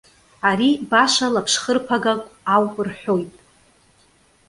Ари, баша лаԥшхырԥагак ауп, рҳәоит.